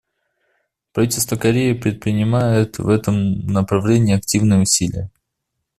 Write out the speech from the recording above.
Правительство Кореи предпринимает в этом направлении активные усилия.